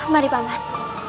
mari pak mat